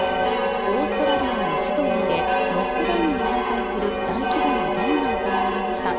オーストラリアのシドニーでロックダウンに反対する大規模なデモが行われました。